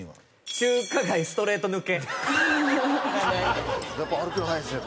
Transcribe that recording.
中華街ストレート抜け。